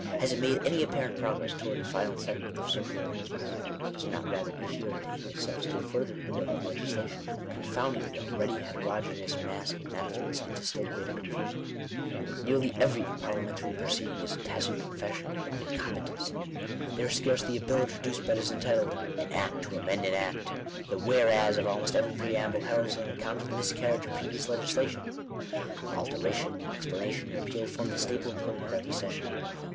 Has it made any appa rent progress toward a final settlement of social arrangements ? Does it not rather each year entangle itself still further in the web of legislation, confounding the already heterogeneous mass of enactments into still greater confusion ? Nearly every par liamentary proceeding is a tacit confession of incompetency. There is scarcely a bill introduced but is entitled " An Act to amend an Act" The "Whereas" of almost every preamble heralds an account of the miscarriage of previous legislation. Alteration, explanation, and repeal, form the staple employ ment of every session.